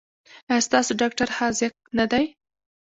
ایا ستاسو ډاکټر حاذق نه دی؟